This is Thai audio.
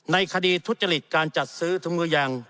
ในคดีทุจริตการจัดซื้อถุงมือยาง